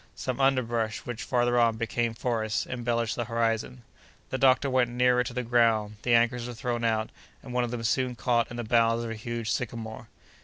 Some underbrush, which, farther on, became forests, embellished the horizon. The doctor went nearer to the ground; the anchors were thrown out, and one of them soon caught in the boughs of a huge sycamore.